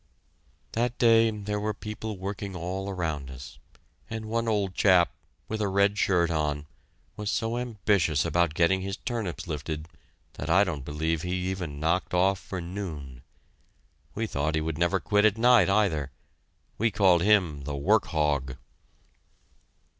That day there were people working all around us, and one old chap, with a red shirt on, was so ambitious about getting his turnips lifted that I don't believe he even knocked off for noon. We thought he would never quit at night either. We called him the "work hog!"